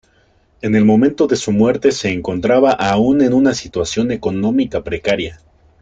En el momento de su muerte se encontraba aún en una situación económica precaria.